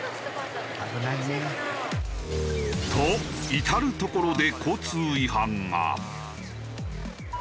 危ないね。と至る所で交通違反が。